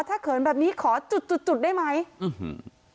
ถ้าเขินแบบนี้ขอจุดจุดจุดได้ไหมอื้อหือ